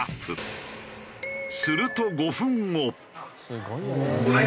すると５分後。